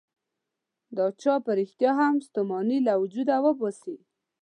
دا چای په رښتیا هم ستوماني له وجوده وباسي.